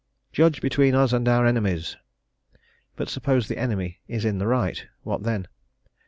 "Judge between us and our enemies." But suppose the enemy is in the right, what then?